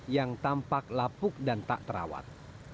yang tampak lapuk dan tak terawat